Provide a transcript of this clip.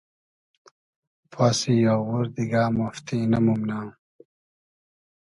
پاسی آوور دیگۂ مافتی نئمومنۂ